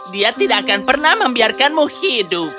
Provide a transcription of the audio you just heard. dia tidak akan pernah membiarkanmu hidup